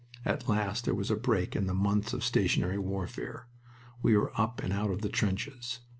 At last there was a break in the months of stationary warfare. We were up and out of the trenches.